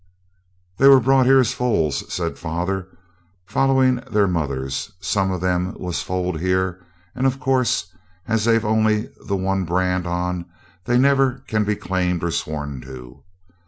'They were brought here as foals,' says father, 'following their mothers. Some of them was foaled here; and, of course, as they've only the one brand on they never can be claimed or sworn to.